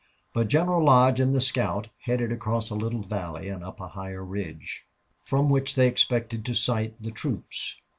But General Lodge and the scout headed across a little valley and up a higher ridge, from which they expected to sight the troops.